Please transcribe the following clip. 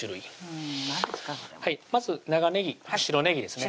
それまず長ねぎ白ねぎですね